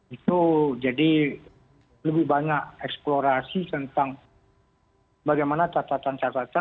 itu jadi lebih banyak eksplorasi tentang bagaimana catatan catatan